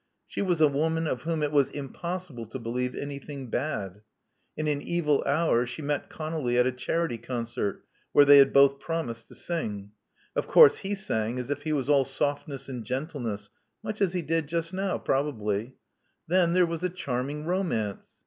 She was a woman of whom it was impossible to believe anything bad. In an evil hour she met Conolly at a charity concert where they had both promised to sing. Of course he sang as if he was all softness and gentle ness, much as he did just now, probably. Then there was a charming romance.